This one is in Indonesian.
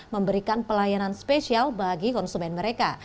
memberikan pelayanan spesial bagi konsumen mereka